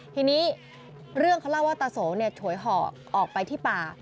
ทีนี้เรื่องเขาเล่าว่าตาโสเนี่ยถ่วยห่อออกไปที่ป่า